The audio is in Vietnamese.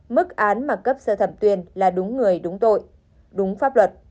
mức án mà cấp sơ thẩm tuyên là đúng người đúng tội đúng pháp luật